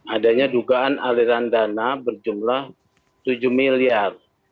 adanya dugaan aliran dana berjumlah tujuh miliar